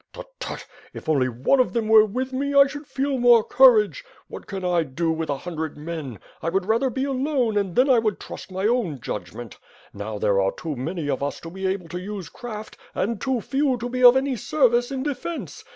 Tut! Tut! If only one of them were with me, I should feel more courage. What can I do with a hundred men. I would rather be alone and then I would trust my own judgment. Now, there are too many of us to be able to use craft, and too few to be of any service in defence.